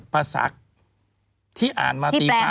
ภาษาที่อ่านมาตีความ